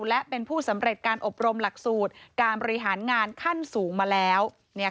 และเป็นผู้สำเร็จการอบรมหลักสูตรการบริหารงานขั้นสูงมาแล้ว